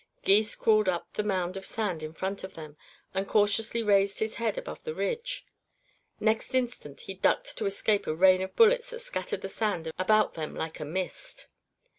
Gys crawled up the mound of sand in front of them and cautiously raised his head above the ridge. Next instant he ducked to escape a rain of bullets that scattered the sand about them like a mist.